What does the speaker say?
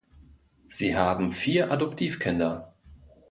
Sie haben vier Adoptivkinder.